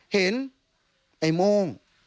เห็นไอ้โม่ง